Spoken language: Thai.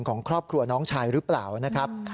ของครอบครัวน้องชายหรือเปล่านะครับ